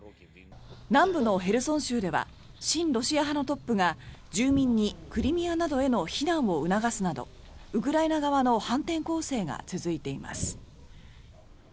南部のヘルソン州では親ロシア派のトップが住民にクリミアなどへの避難を促すなどウクライナ側の反転攻勢が続いています。